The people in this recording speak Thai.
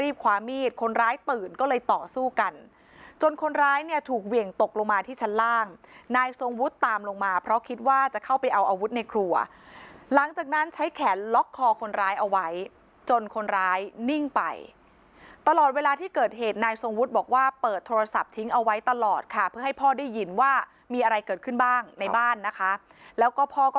มีดคนร้ายปืนก็เลยต่อสู้กันจนคนร้ายเนี่ยถูกเหวี่ยงตกลงมาที่ชั้นล่างนายทรงวุฒิตามลงมาเพราะคิดว่าจะเข้าไปเอาอาวุธในครัวหลังจากนั้นใช้แขนล็อกคอคนร้ายเอาไว้จนคนร้ายนิ่งไปตลอดเวลาที่เกิดเหตุนายทรงวุฒิบอกว่าเปิดโทรศัพท์ทิ้งเอาไว้ตลอดค่ะเพื่อให้พ่อได้ยินว่ามีอะไรเกิดขึ้นบ้างในบ้านนะคะแล้วก็พ่อก็